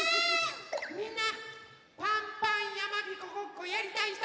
みんなパンパンやまびこごっこやりたいひと！